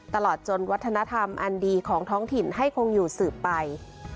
ตลอดจนวัฒนธรรมอันดีของท้องถิ่นให้คงอยู่สืบไป